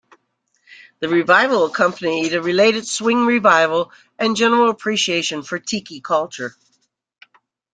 The revival accompanied a related swing revival and general appreciation for tiki culture.